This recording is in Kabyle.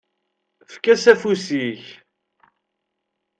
Efk-as afus-ik.